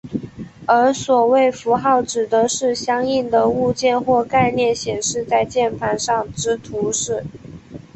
而所谓符号指的是相应的物件或概念显示在键盘上之图示。